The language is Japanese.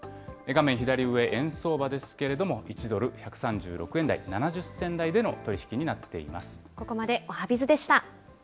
画面左上、円相場ですけれども、１ドル１３６円台、７０銭台での取り引きになっています。